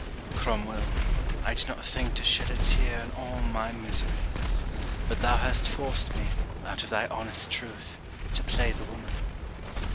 Cromwell, I did not think to shed a tear In all my miseries; but thou hast forced me, Out of thy honest truth, to play the woman.